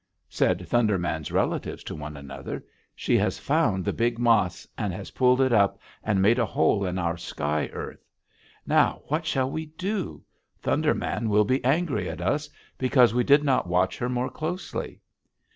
"Said Thunder Man's relatives to one another: 'She has found the big mas, and has pulled it up, and made a hole in our sky earth! Now, what shall we do? Thunder Man will be angry at us because we did not watch her more closely.'